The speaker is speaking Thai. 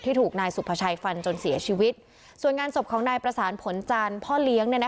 ถูกนายสุภาชัยฟันจนเสียชีวิตส่วนงานศพของนายประสานผลจันทร์พ่อเลี้ยง